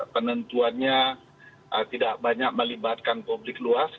penentuannya tidak banyak melibatkan publik luas gitu ya